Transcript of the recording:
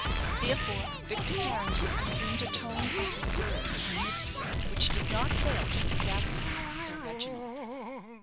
Therefore Victor Carrington assumed a tone of reserve and mystery, which did not fail to exasperate Sir Reginald.